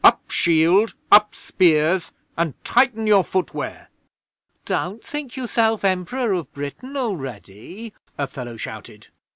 Up shield up spears, and tighten your foot wear!" '"Don't think yourself Emperor of Britain already," a fellow shouted.